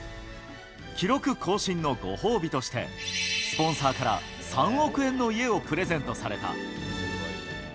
記録更新のご褒美として、スポンサーから３億円の家をプレゼントされた。